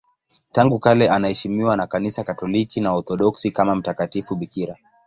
Tangu kale anaheshimiwa na Kanisa Katoliki na Waorthodoksi kama mtakatifu bikira.